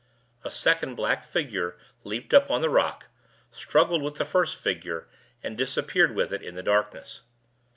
A second black figure leaped up on the rock, struggled with the first figure, and disappeared with it in the darkness.